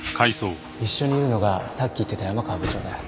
一緒にいるのがさっき言ってた山川部長だよ。